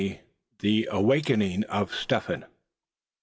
THE AWAKENING OF STEP HEN.